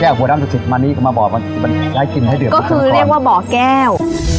แค่หัวน้ำศักดิ์สิทธิ์มานี้ก็มาเบาะมันได้กินให้เดือบก็คือเรียกว่าเบาะแก้ว